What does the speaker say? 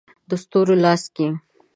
د ستورو لاس کې